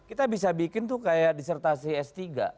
kita bisa bikin tuh kayak disertasi s tiga